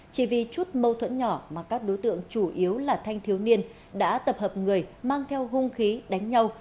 chỉ vì chút mâu thuẫn nhỏ mà các đối tượng chủ yếu là thanh thiếu niên đã tập hợp người mang theo hung khí đánh nhau